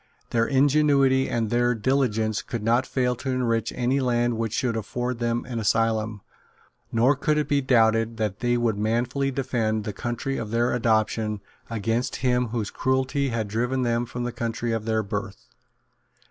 Their ingenuity and their diligence could not fail to enrich any land which should afford them an asylum; nor could it be doubted that they would manfully defend the country of their adoption against him whose cruelty had driven them from the country of their birth.